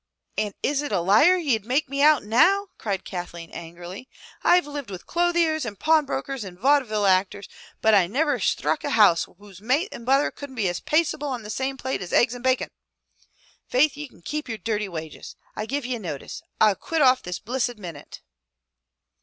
"And is it a liar ye'd make me out now?" cried Kathleen angrily. "I've lived wid clothiers and pawnbrokers and vaude ville actors, but I niver shtruck a house where mate and butther couldn't be as paceable on the same plate as eggs and bacon! Faith, ye can keep yer dirthy wages. I give ye notice! I'll quit off this blissid minute!"